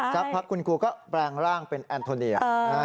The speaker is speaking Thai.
สักพักคุณครูก็แปลงร่างเป็นแอนโทเนีย